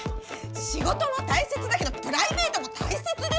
仕事も大切だけどプライベートも大切でしょ！？